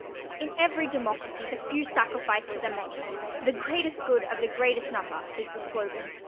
In every democracy the few sacrifice for the many—"the greatest good of the greatest number" is the slogan.